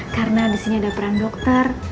karena disini ada peran dokter